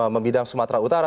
memidang sumatera utara